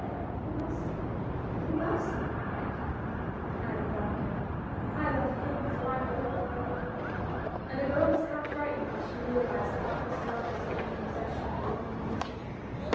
" He loves me ! he loves me ! and," stdded Bonne Marie, "I love him with my whole heart." And the girl was half frightened as she realized how this love was gaining possession of her whole nature.